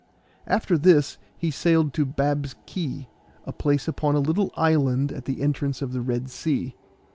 After this he sailed to Bab's Key, a place upon a little island at the entrance of the Red Sea.